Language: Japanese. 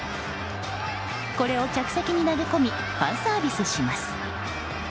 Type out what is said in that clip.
これを客席に投げ込みファンサービスします。